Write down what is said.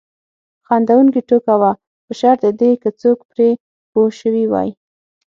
خندونکې ټوکه وه په شرط د دې که څوک پرې پوه شوي وای.